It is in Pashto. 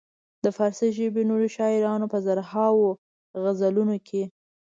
د فارسي ژبې نورو شاعرانو په زرهاوو غزلونو کې.